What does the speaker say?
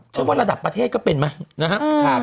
เช่นว่าระดับประเทศก็เป็นไหมนะฮะ